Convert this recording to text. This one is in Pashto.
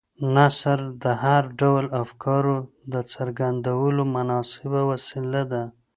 نثر د هر ډول افکارو د څرګندولو مناسبه وسیله ده.